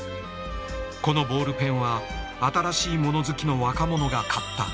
このボールペンは新しいもの好きの若者が買った。